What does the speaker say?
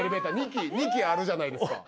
２基あるじゃないですか。